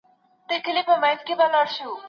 تاریخي پوهه د زړو افسانو تر لوستلو غوره ده.